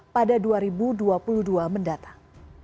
pada dua ribu dua puluh dua mendatang